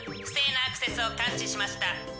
不正なアクセスを感知しました。